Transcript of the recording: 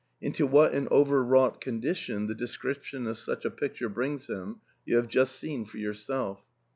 Into what an over wrought condition the description of such a picture brings him, you have just seen for yourself.